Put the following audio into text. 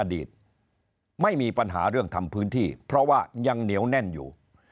ไม่มีปัญหาเรื่องทำพื้นที่เพราะว่ายังเหนียวแน่นอยู่